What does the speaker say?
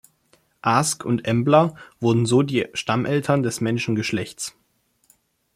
Ask und Embla wurden so die Stammeltern des Menschengeschlechts.